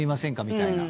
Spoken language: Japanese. みたいな。